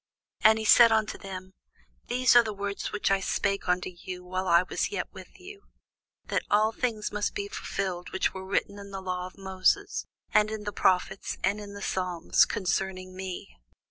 And he said unto them, These are the words which I spake unto you, while I was yet with you, that all things must be fulfilled, which were written in the law of Moses, and in the prophets, and in the psalms, concerning me.